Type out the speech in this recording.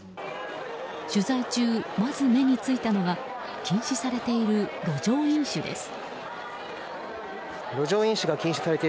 取材中、まず目についたのが禁止されている路上飲酒です。